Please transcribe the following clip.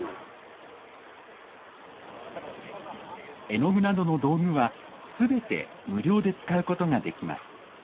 絵の具などの道具は、すべて無料で使うことができます。